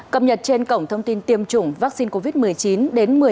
cập nhật trên cổng thông tin tiêm chủng vaccine covid một mươi chín